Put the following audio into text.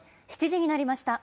７時になりました。